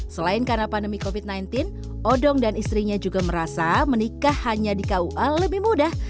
selain karena pandemi covid sembilan belas odong dan istrinya juga merasa menikah hanya di kua lebih mudah